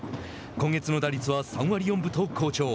今月の打率は３割４分と好調。